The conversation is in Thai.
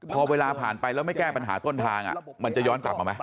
พอเวลาผ่านไปแล้วไม่แก้ปัญหาต้นทางมันจะย้อนกลับมาไหม